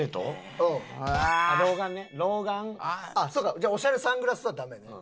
じゃあオシャレサングラスはダメね。